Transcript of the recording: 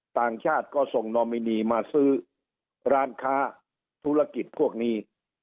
ต่างชาติก็ส่งนอมินีมาซื้อร้านค้าธุรกิจพวกนี้